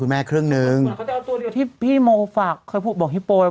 คุณแม่ครึ่งหนึ่งตัวเดียวที่พี่โมฝากเคยพูดบอกฮิโปร์ไว้